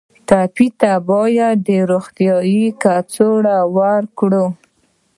ټپي ته باید روغتیایي کڅوړه ورکړو.